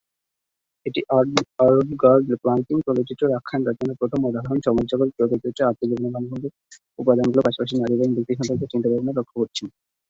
এটি আঁভ-গার্দ মার্কিন চলচ্চিত্রের আখ্যান রচনার প্রথম উদাহরণ; সমালোচকরা চলচ্চিত্রে আত্মজীবনীমূলক উপাদানগুলির পাশাপাশি নারী এবং ব্যক্তি সম্পর্কে চিন্তাভাবনা লক্ষ্য করেছেন।